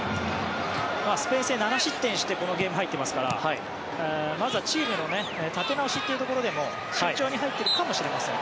スペイン戦で７失点してこのゲームに入っていますからまずはチームの立て直しというところでも慎重に入っているかもしれません。